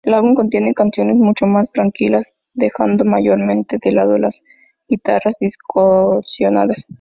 El álbum contiene canciones mucho más tranquilas, dejando mayormente de lado las guitarras distorsionadas.